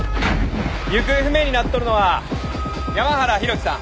行方不明になっとるのは山原浩喜さん。